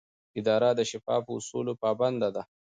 اداره د شفافو اصولو پابنده ده.